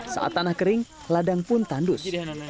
saat tanah kering ladang pun tandus